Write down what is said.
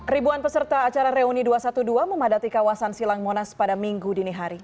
ribuan peserta acara reuni dua ratus dua belas memadati kawasan silang monas pada minggu dini hari